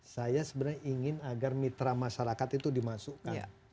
saya sebenarnya ingin agar mitra masyarakat itu dimasukkan